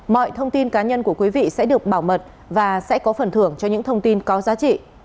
mọi thông tin cá nhân của quý vị sẽ được bảo mật và sẽ có phần thưởng cho những thông tin có giá trị